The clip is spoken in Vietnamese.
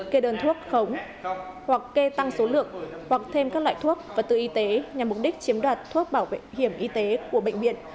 kê đơn thuốc khống hoặc kê tăng số lượng hoặc thêm các loại thuốc và tự y tế nhằm mục đích chiếm đoạt thuốc bảo hiểm y tế của bệnh viện